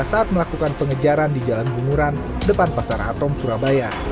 saat melakukan pengejaran di jalan bunguran depan pasar atom surabaya